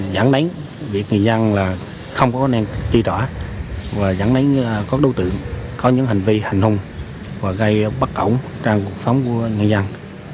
giảng đánh việc người dân là không có năng chi trỏa và giảng đánh có đối tượng có những hành vi hành hùng và gây bất ổng trong cuộc sống của người dân